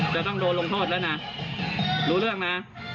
จะต้องโดนลงโทษแล้วนะรู้เรื่องนะ